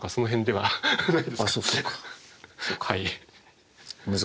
はい。